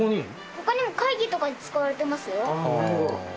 他にも会議とかに使われてますよ。